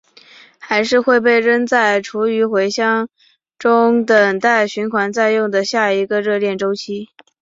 还是会被扔在厨余回收箱中等待循环再用的下一个热恋周期？